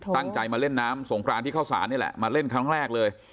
ตั้งใจมาเล่นน้ำสงครานที่เข้าสารนี่แหละมาเล่นครั้งแรกเลย